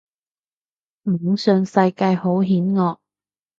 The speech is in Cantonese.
網上世界好險惡